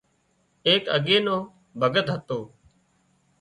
ايڪ اڳي نو ڀڳت هتو